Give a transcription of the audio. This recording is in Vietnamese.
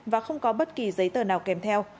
và không có bất kỳ giấy tờ nào kèm theo